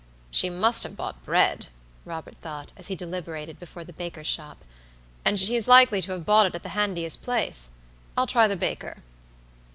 "She must have bought bread," Robert thought, as he deliberated before the baker's shop; "and she is likely to have bought it at the handiest place. I'll try the baker."